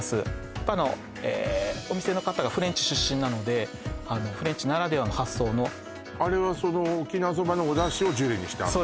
やっぱあのお店の方がフレンチ出身なのでフレンチならではの発想のあれはその沖縄そばのおだしをジュレにしてあんの？